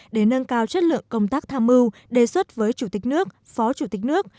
để nâng cao chất lượng công tác tham mưu đề xuất với chủ tịch nước phó chủ tịch nước